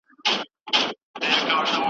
قصاص د ټولني لپاره د امن او ثبات بنسټ دی.